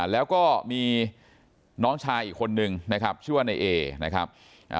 แล้วก็มีน้องชายอีกคนนึงชื่อว่านายเอ